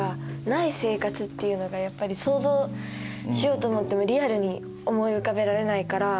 い生活っていうのがやっぱり想像しようと思ってもリアルに思い浮かべられないから。